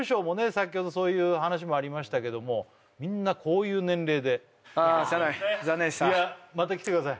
さきほどそういう話もありましたけどもみんなこういう年齢でしゃあない残念でしたまた来てください